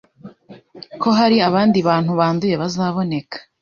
ko hari abandi bantu banduye bazaboneka